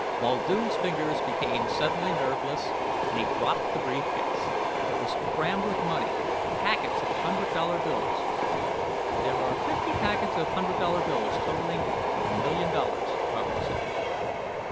Muldoon's fingers became suddenly nerveless, and he dropped the brief case. It was crammed with money, packets of hundred dollar bills. "There are fifty packets of hundred dollar bills, totalling a million dollars," Robert said.